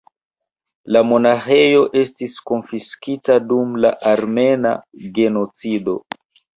La monaĥejo estis konfiskita dum la Armena genocido.